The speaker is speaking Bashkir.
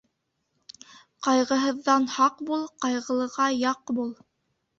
Ҡайғыһыҙҙан һаҡ бул, ҡайғылыға яҡ бул.